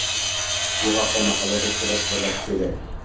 Bu haqida mahallada shivir-shivirlar kuchaydi.